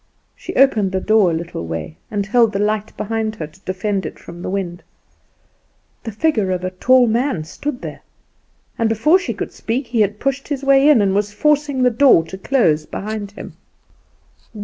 She opened the door a little way, and held the light behind her to defend it from the wind. The figure of a tall man stood there, and before she could speak he had pushed his way in, and was forcing the door to close behind him.